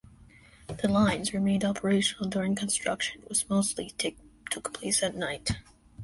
The lines remained operational during construction, which mostly took place at night.